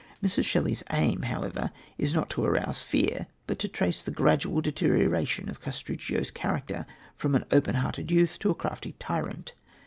Mrs. Shelley's aim, however, is not to arouse fear, but to trace the gradual deterioration of Castruccio's character from an open hearted youth to a crafty tyrant.